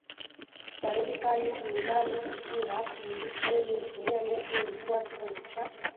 baridi kali mlimaniIraq ni nchi yenye historia ndefu ilikuwa kitovu cha